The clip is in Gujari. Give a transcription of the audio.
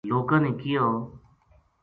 لوکاں نے کہیو